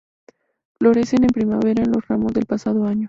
Florecen en primavera en los ramos del pasado año.